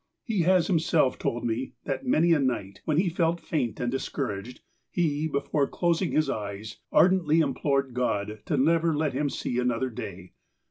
He has himself told me, that many a night, when he felt faint and discouraged, he, before closing his eyes, ardently implored God to never let him see another day.